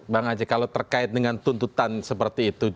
bang aceh kalau terkait dengan tuntutan seperti itu